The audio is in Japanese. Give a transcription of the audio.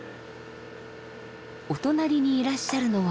お隣にいらっしゃるのは。